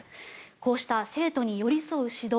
こうした生徒に寄り添う指導。